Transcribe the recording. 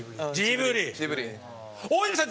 大泉さん